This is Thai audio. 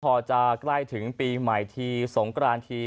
พอจะใกล้ถึงปีใหม่ทีสงกรานที